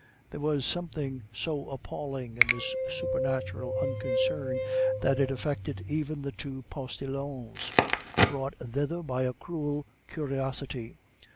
There was something so appalling in this supernatural unconcern, that it affected even the two postilions, brought thither by a cruel curiosity.